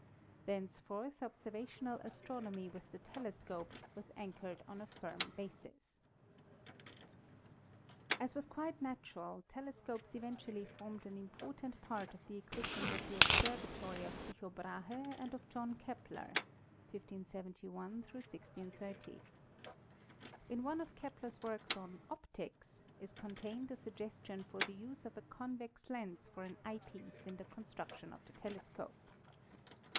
Thenceforth observa tional astronomy with the telescope was anchored on a firm basis. As was quite natural, telescopes eventually formed an important part of the equipment of the observatory of Tycho Brahe and of John Kepler (1571 1630). In one of Kepler's works on "Optics" is contained a suggestion for the use of a convex lens for an eye piece in the construc tion of the telescope.